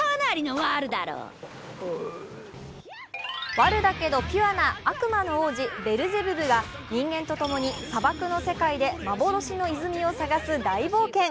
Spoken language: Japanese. ワルだけどピュアな悪魔の王子・ベルゼブブが人間とともに砂漠の世界で幻の泉を探す大冒険。